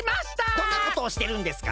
どんなことをしてるんですか？